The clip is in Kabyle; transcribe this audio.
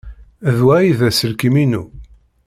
D wa ay d aselkim-inu.